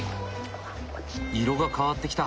色が変わってきた。